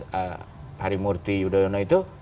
penyataan agus harimurti yudhoyono itu